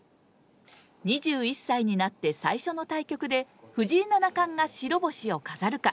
２１歳になって最初の対局で藤井七冠が白星を飾るか。